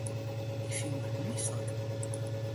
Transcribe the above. Ik fiel my mislik.